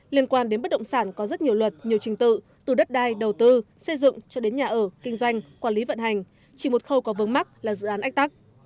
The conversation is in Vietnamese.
liên quan đến bất động sản có rất nhiều luật nhiều trình tự từ đất đai đầu tư xây dựng cho đến nhà ở kinh doanh quản lý vận hành chỉ một khâu có vướng mắc là dự án ách tắc